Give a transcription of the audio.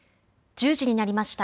１０時になりました。